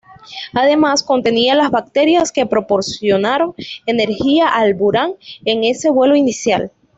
Además contenía las baterías que proporcionaron energía al Buran en ese vuelo inicial.